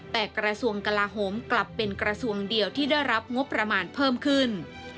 แต่กระทรวงกลาโหมกลับเป็นกระทรวงเดียวที่ได้รับงบประมาณเพิ่มขึ้น